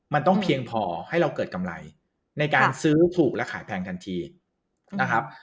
มันต้องเพียงพอให้เราเกิดกำไรในการซื้อถูกและขายแพงทันทีนะครับ